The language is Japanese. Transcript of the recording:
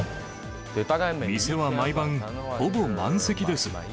店は毎晩、ほぼ満席です。